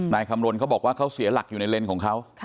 นายคำรณเขาบอกว่าเขาเสียหลักอยู่ในเลนส์ของเขา